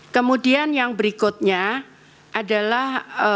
kemudian yang berikutnya adalah